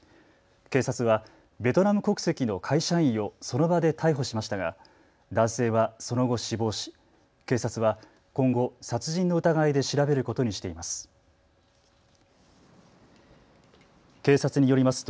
警察はベトナム国籍の会社員をその場で逮捕しましたが男性はその後、死亡し警察は今後、殺人の疑いで調べることにしています。